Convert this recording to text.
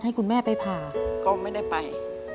ทำงานชื่อนางหยาดฝนภูมิสุขอายุ๕๔ปี